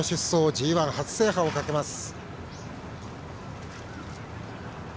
ＧＩ初制覇をかけます。